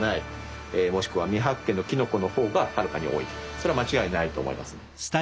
それは間違いないと思いますね。